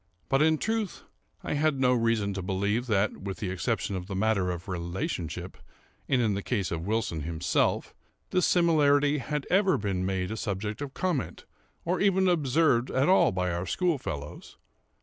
But, in truth, I had no reason to believe that (with the exception of the matter of relationship, and in the case of Wilson himself,) this similarity had ever been made a subject of comment, or even observed at all by our schoolfellows.